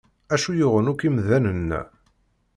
Acu yuɣen akk imdanen-a?